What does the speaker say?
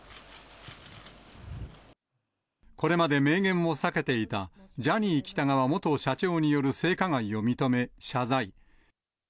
これまで明言を避けていた、ジャニー喜多川元社長による性加害を認め、謝罪。